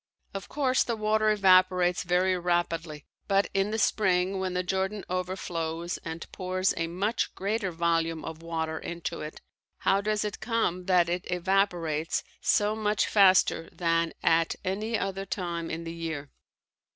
Of course, the water evaporates very rapidly, but in the spring when the Jordan overflows and pours a much greater volume of water into it, how does it come that it evaporates so much faster than at any other time in the year?